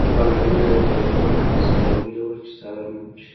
بالونونه يې د تپو له پاسه درولي ول، چې څارنه وکړي.